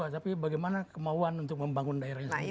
tapi bagaimana kemauan untuk membangun daerahnya sendiri